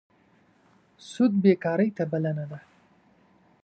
سود بېکارۍ ته بلنه ده.